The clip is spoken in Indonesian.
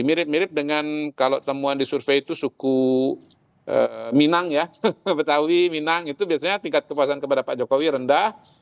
mirip mirip dengan kalau temuan di survei itu suku minang ya betawi minang itu biasanya tingkat kepuasan kepada pak jokowi rendah